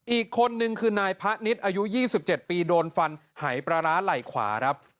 อีกคนนึงคือนายพะนิดอายุยี่สิบเจ็ดปีโดนฟันหายปราร้าไหล่ขวาครับ